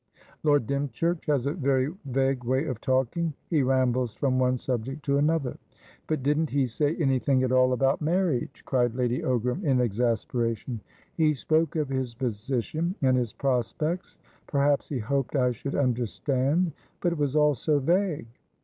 "Lord Dymchurch has a very vague way of talking. He rambles from one subject to another." "But didn't he say anything at all about marriage?" cried Lady Ogram, in exasperation. "He spoke of his position and his prospects. Perhaps he hoped I should understandbut it was all so vague."